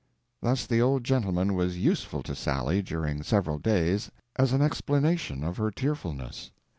Thus, the old gentleman was useful to Sally, during several days, as an explanation of her tearfulness.